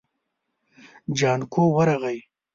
جانکو ورغی.